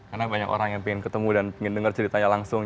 karena banyak orang yang ingin ketemu dan ingin dengar ceritanya langsung